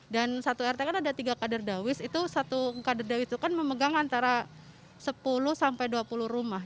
dan satu rt kan ada tiga kader dawis itu satu kader dawis itu kan memegang antara sepuluh sampai dua puluh rumah